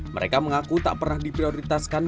mereka mengaku tak pernah diprioritaskan